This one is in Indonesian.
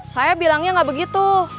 saya bilangnya gak begitu